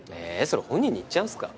それ本人に言っちゃうんすか。